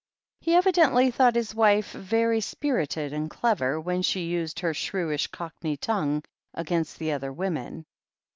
He evidently thought his wife very spirited and clever when she used her shrewish Cockney tongue against the other women.